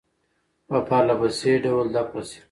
په پرله پسې ډول دفع شي.